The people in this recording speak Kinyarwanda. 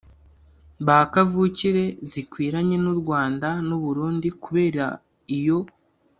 Ba kavukire zikwiranye n u rwanda n u burundi kubera iyo